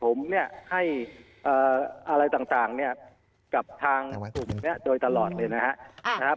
ผมให้อะไรต่างกับทางโดยตลอดเลยนะครับ